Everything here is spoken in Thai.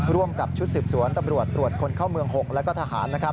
ร่วมกับชุดสืบสวนตำรวจตรวจคนเข้าเมือง๖และก็ทหารนะครับ